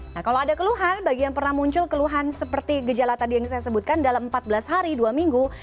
nah kalau ada keluhan bagi yang pernah muncul keluhan seperti gejala tadi yang saya sebutkan dalam empat belas hari dua minggu